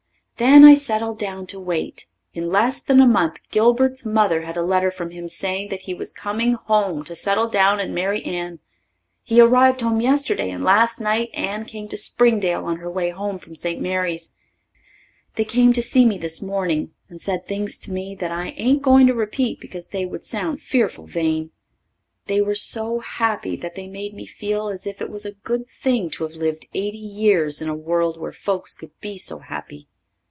Then I settled down to wait. In less than a month Gilbert's mother had a letter from him saying that he was coming home to settle down and marry Anne. He arrived home yesterday and last night Anne came to Springdale on her way home from St. Mary's. They came to see me this morning and said things to me I ain't going to repeat because they would sound fearful vain. They were so happy that they made me feel as if it was a good thing to have lived eighty years in a world where folks could be so happy.